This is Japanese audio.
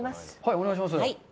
お願いします。